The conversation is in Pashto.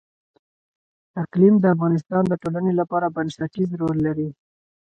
اقلیم د افغانستان د ټولنې لپاره بنسټيز رول لري.